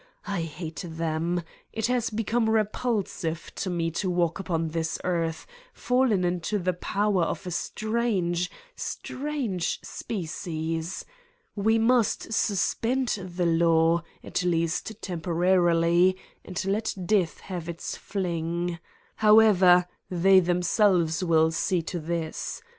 I hate them. It has become repulsive to me to walk upon this earth, fallen into the power of a strange, strange species. We must suspend the law, at least temporarily, and let death have its fling. However, they themselves will see to this.